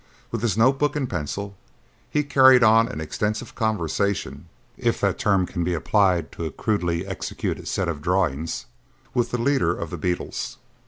With his notebook and pencil he carried on an extensive conversation, if that term can be applied to a crudely executed set of drawings, with the leader of the beetles.